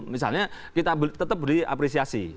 misalnya kita tetap beri apresiasi